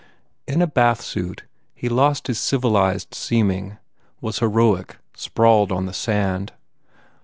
In a bathsuit he lost his civilized seeming, was heroic, sprawled on the sand.